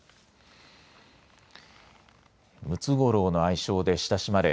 ムツゴロウの愛称で親しまれ